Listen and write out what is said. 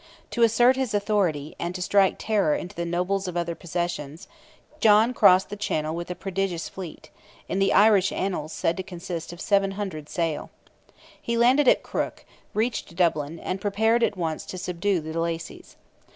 To assert his authority, and to strike terror into the nobles of other possessions, John crossed the channel with a prodigious fleet—in the Irish annals said to consist of 700 sail. He landed at Crook, reached Dublin, and prepared at once to subdue the Lacys.